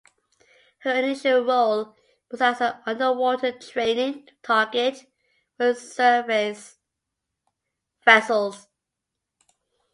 Her initial role was as a underwater training target for surface vessels.